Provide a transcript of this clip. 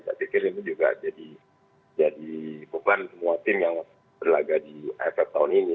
saya pikir ini juga jadi beban semua tim yang berlaga di aff tahun ini